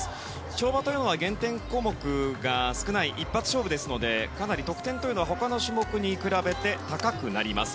跳馬というのは減点項目が少ない一発勝負ですのでかなり得点は他の種目に比べて高くなります。